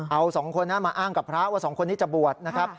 เอาสองคนนั้นมาอ้างกับพระว่าสองคนนี้จะบวชนะครับ